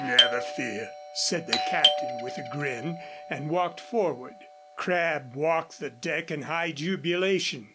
"Never fear," said the Captain with a grin, and walked forward. Crabb walked the deck in high jubilation.